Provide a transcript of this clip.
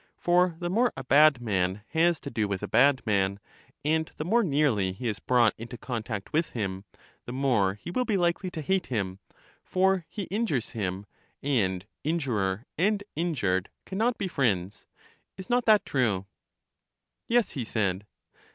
For the more a bad man has to do with a bad man, and the more nearly he is brought into contact with him, the more he will be likely to hate him, for he injures him, and injurer and injured can not be friends. Is not that true? Yes, he said.